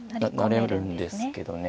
成れるんですけどね